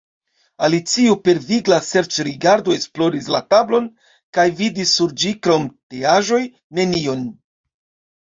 Alicio per vigla serĉrigardo esploris la tablon, kaj vidis sur ĝi krom teaĵoj nenion.